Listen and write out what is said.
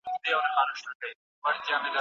ښوونکی زدهکوونکو ته د همږغی اهمیت تشریح کوي.